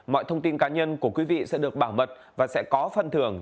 mọi thông tin cá nhân của quý vị sẽ được bảo mật và sẽ có phần thưởng